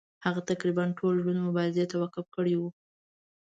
هغه تقریبا ټول ژوند مبارزې ته وقف کړی وو.